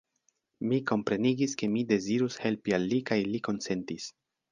Mi komprenigis, ke mi dezirus helpi al li kaj li konsentis.